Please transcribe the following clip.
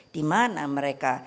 di mana mereka